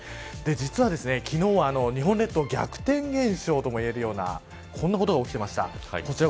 実は昨日は日本列島逆転現象ともいえるようなこんなことが起きてました。